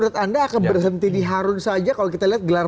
ada dua perdebatan yang